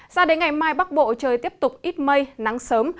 sao đến ngày mai bắc bộ trời tiếp tục ít mây nắng sớm